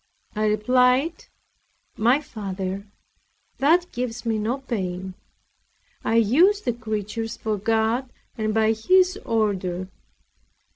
I replied, "My father, that gives me no pain; I use the creatures for God, and by His order.